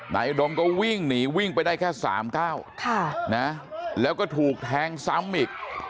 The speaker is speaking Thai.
อุดมก็วิ่งหนีวิ่งไปได้แค่๓๙แล้วก็ถูกแทงซ้ำอีก